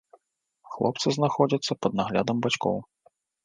Хлопцы знаходзяцца пад наглядам бацькоў.